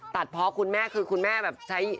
ตัดเพราะคุณแม่คือคุณแม่แบบใช้